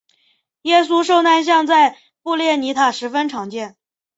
耶稣受难像在布列尼塔十分常见。